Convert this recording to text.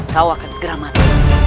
kau akan segera mati